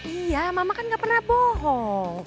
iya mama kan gak pernah bohong